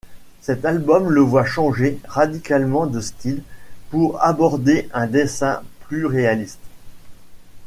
Cet album le voit changer radicalement de style pour aborder un dessin plus réaliste.